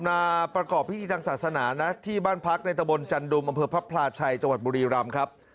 มาประกอบพิธีทางศาสนานะที่บ้านพักในตะบนจันดุมอำเภอพระพลาชัยจังหวัดบุรีรำครับ